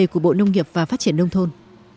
của bộ nông nghiệp và phát triển nông thôn